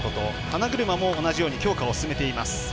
花車も同じように強化を進めています。